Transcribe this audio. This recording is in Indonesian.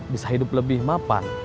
bisa hidup lebih mapan